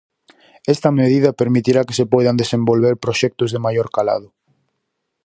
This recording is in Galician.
Esta medida permitirá que se poidan desenvolver proxectos de maior calado.